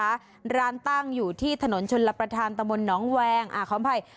ร้านตั้งอยู่ที่ถนนชนลประธานตะมนต์น้องแวงอ่าขออภัย